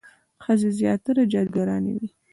ښځې زیاتره جادوګرانې وي.